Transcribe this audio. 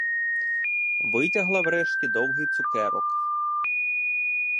Витягла врешті довгий цукерок.